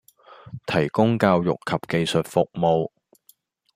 提供教育及技術服務